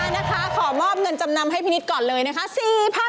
นะคะขอมอบเงินจำนำให้พี่นิดก่อนเลยนะคะ